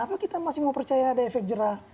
tapi kenapa kita masih mau percaya ada efek jerah